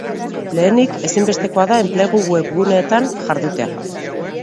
Lehenik, ezinbestekoa da enplegu webguneetan jardutea.